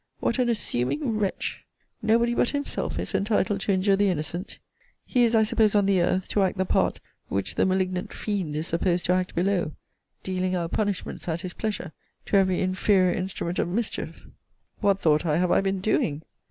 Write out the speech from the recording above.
what an assuming wretch! Nobody but himself is entitled to injure the innocent; he is, I suppose, on the earth, to act the part which the malignant fiend is supposed to act below dealing out punishments, at his pleasure, to every inferior instrument of mischief!' What, thought I, have I been doing!